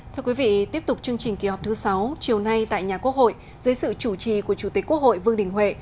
thưa quý vị tiếp tục chương trình kỳ họp thứ sáu chiều nay tại nhà quốc hội dưới sự chủ trì của chủ tịch quốc hội vương đình huệ